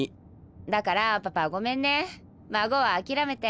だからパパごめんね孫は諦めて。